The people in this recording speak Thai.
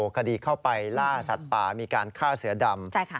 คดีเข้าไปล่าสัตว์ป่ามีการฆ่าเสือดำ